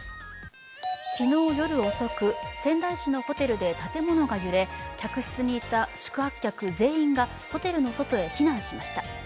昨日夜遅く、仙台市のホテルで建物が揺れ、客室にいた宿泊客全員がホテルの外へ避難しました。